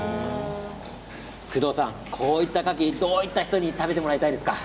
工藤さん、こういったカキ誰に食べてもらいたいですか。